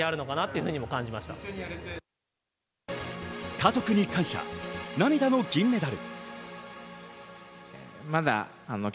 家族に感謝、涙の銀メダル。